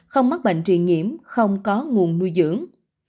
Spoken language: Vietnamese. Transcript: không mắc bệnh truyền nhiễm không có nguồn nuôi dưỡng